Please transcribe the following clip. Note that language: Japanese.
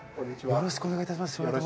よろしくお願いします。